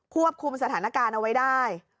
ควบคุมสถานการณ์เอาไว้ได้